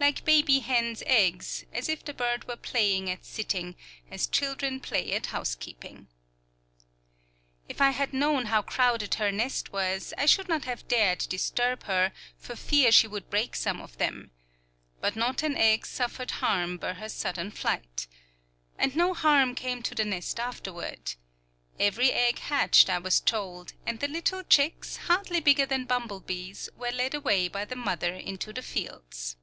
like baby hens' eggs, as if the bird were playing at sitting, as children play at housekeeping. If I had known how crowded her nest was, I should not have dared disturb her, for fear she would break some of them. But not an egg suffered harm by her sudden flight. And no harm came to the nest afterward. Every egg hatched, I was told, and the little chicks, hardly bigger than bumblebees, were led away by the mother into the fields.